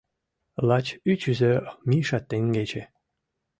Лач ӱчызӧ Миша теҥгече